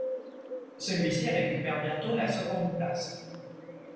Celui-ci récupère bientôt la seconde place.